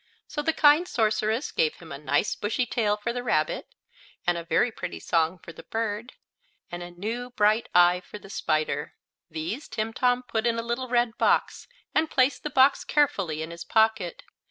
So the kind sorceress gave him a nice, bushy tail for the rabbit, and a very pretty song for the bird, and a new, bright eye for the spider. These Timtom put in a little red box and placed the box carefully in his pocket.